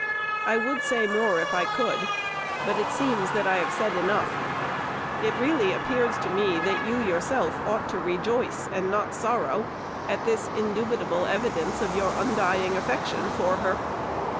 I would say more if I could, but it seems that I have said enough. It really appears to me that you yourself ought to rejoice, and not sorrow, at this indubitable evidence of your undying affection for her.